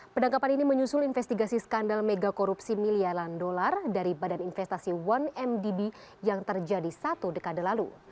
penangkapan ini menyusul investigasi skandal mega korupsi miliaran dolar dari badan investasi satu mdb yang terjadi satu dekade lalu